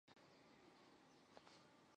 最大的激酶族群是蛋白激酶。